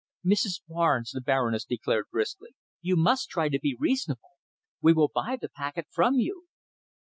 "Mrs. Barnes," the Baroness declared briskly, "you must try to be reasonable. We will buy the packet from you."